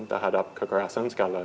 terhadap kekerasan skala